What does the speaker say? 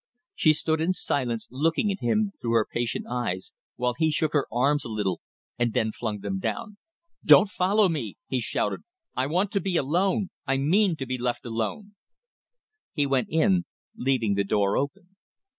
She stood in silence, looking at him through her patient eyes, while he shook her arms a little and then flung them down. "Don't follow me!" he shouted. "I want to be alone I mean to be left alone!" He went in, leaving the door open.